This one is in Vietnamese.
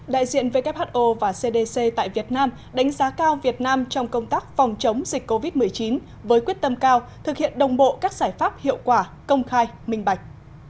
đại diện who và cdc tại việt nam đánh giá cao việt nam trong công tác phòng chống dịch covid một mươi chín với quyết tâm cao thực hiện đồng bộ các giải pháp hiệu quả công khai minh bạch